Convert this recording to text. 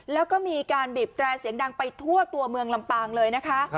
แล้วก็มีการบีบแตรเสียงดังไปทั่วตัวเมืองลำปางเลยนะคะ